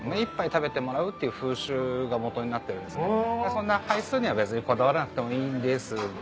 そんな杯数には別にこだわらなくてもいいんですが。